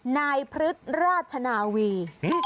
นายพฤษราชนาวี